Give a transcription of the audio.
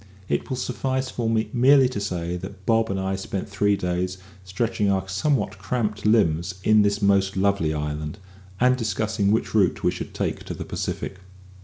It will suffice for me merely to say that Bob and I spent three days stretching our somewhat cramped limbs in this most lovely island, and discussing which route we should take to the Pacific.